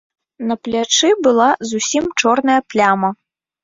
На плячы была зусім чорная пляма.